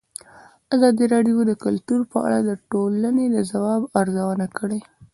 ازادي راډیو د کلتور په اړه د ټولنې د ځواب ارزونه کړې.